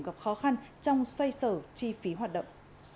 gặp khó khăn trong xoay sở chi phí hoạt động